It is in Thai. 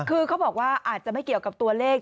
คือเขาบอกว่าอาจจะไม่เกี่ยวกับตัวเลข